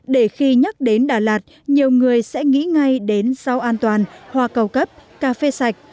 để khi nhắc đến đà lạt nhiều người sẽ nghĩ ngay đến rau an toàn hoa cầu cấp cà phê sạch